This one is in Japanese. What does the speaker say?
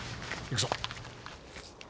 行くぞ。